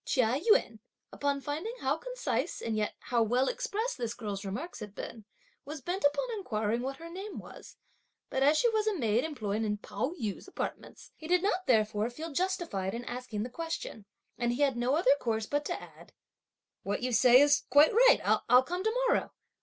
Chia Yün, upon finding how concise and yet how well expressed this girl's remarks had been, was bent upon inquiring what her name was; but as she was a maid employed in Pao yü's apartments, he did not therefore feel justified in asking the question, and he had no other course but to add, "What you say is quite right, I'll come to morrow!"